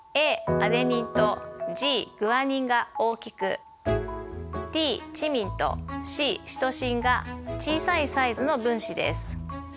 アデニンとＧグアニンが大きくＴチミンとＣシトシンが小さいサイズの分子です。